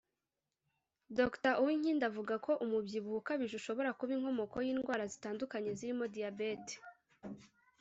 Dr Uwinkindi avuga ko umubyibuho ukabije ushobora kuba inkomoko y’indwara zitandukanye zirimo diyabete